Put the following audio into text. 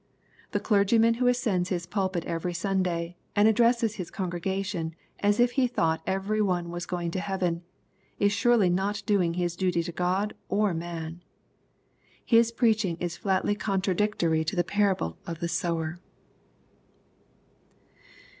The clergyman who ascends his pulpit every Sunday, and addresses his congregation as if he thought every one was going to heaven, is surely not doing his duty to God or man. His preaching is flatly cortradictory to the parable of the sower.